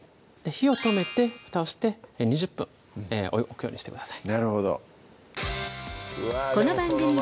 火を止めて蓋をして２０分置くようにしてください